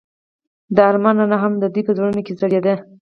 د آرمان رڼا هم د دوی په زړونو کې ځلېده.